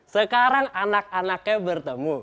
sekarang anak anaknya bertemu